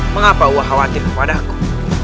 mengapa gua khawatir kepadaku